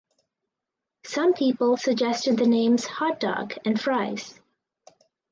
Some people suggested the names "Hotdog" and "Fries".